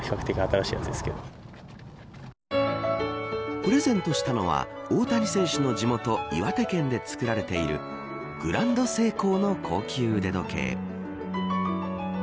プレゼントしたのは大谷選手の地元岩手県で作られているグランドセイコーの高級腕時計。